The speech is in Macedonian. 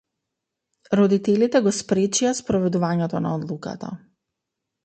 Родителите го спречија спроведувањето на одлуката.